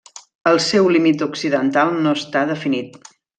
El seu límit occidental no està definit.